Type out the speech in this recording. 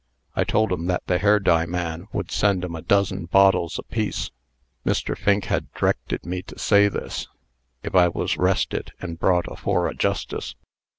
I told 'em that the hair dye man would send 'em a dozen bottles apiece. Mr. Fink had d'rected me to say this, if I was 'rested and brought afore a justice.